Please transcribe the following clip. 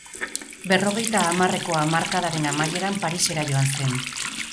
Berrogeita hamarreko hamarkadaren amaieran Parisera joan zen.